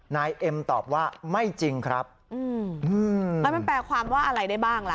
นายเอ็มตอบว่าไม่จริงครับอืมแล้วมันแปลความว่าอะไรได้บ้างล่ะ